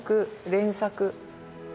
連作。